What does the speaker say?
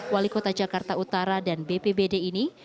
wali kota jakarta utara dan bpbd ini